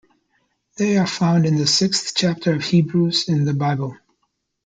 They are found in the sixth chapter of Hebrews in the Bible.